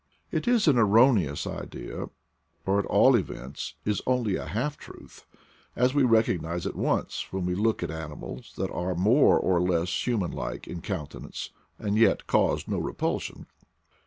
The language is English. It is an erroneous idea, or, at all events, is only a half truth, as we recognize at once when we look at animals that are more or less human like in countenance, and yet cause no repulsion.